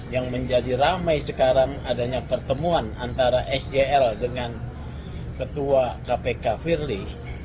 yang menjadi ramai sekarang adanya pertemuan antara sel dengan ketua kpk firly